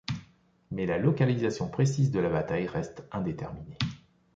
Mais la localisation précise de la bataille reste indéterminée.